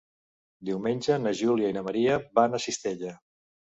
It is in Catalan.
Diumenge na Júlia i na Maria van a Cistella.